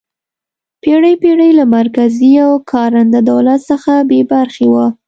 پېړۍ پېړۍ له مرکزي او کارنده دولت څخه بې برخې وه.